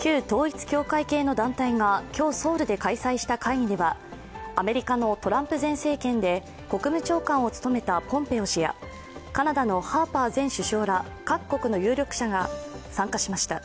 旧統一教会系の団体が今日ソウルで開催した会議ではアメリカのトランプ前政権で国務長官を務めたポンペオ氏やカナダのハーパー前首相ら各国の有力者が参加しました。